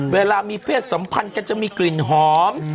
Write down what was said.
เวลามีเพศสัมพันธ์กันจะมีกลิ่นหอม